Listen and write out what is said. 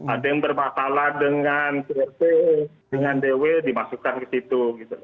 ada yang bermasalah dengan plt dengan dw dimasukkan ke situ